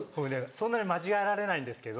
そんなに間違えられないんですけど。